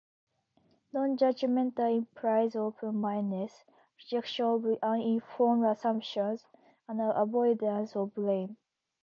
Nonjudgmental implies open-mindedness, rejection of uninformed assumptions, and avoidance of blame.